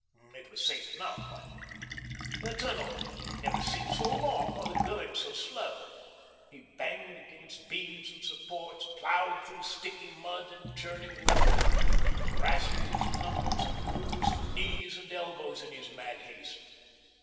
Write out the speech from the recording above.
It was safe enough, but the tunnel had never seemed so long or the going so slow. He banged against beams and supports, ploughed through sticky mud and churning water, rasped his knuckles, and bruised knees and elbows in his mad haste.